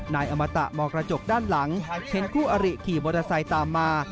นายอมตะมองกระจกด้านหลังเห็นคู่อริขี่มอเตอร์ไซค์ตามมา